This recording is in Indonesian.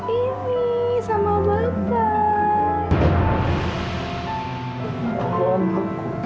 ini sama bapak